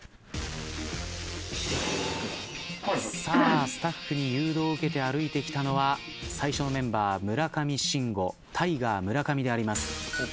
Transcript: さあスタッフに誘導を受けて歩いてきたのは最初のメンバー村上信五タイガー村上であります。